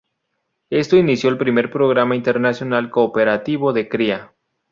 Esto inició el primer programa internacional cooperativo de cría.